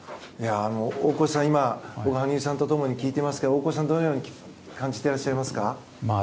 大越さん、今羽生さんと共に聞いていますけど大越さんはどのように感じてらっしゃいますか。